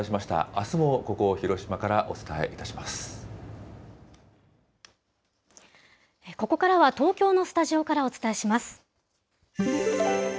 あすもここ、広島からお伝えいたここからは、東京のスタジオからお伝えします。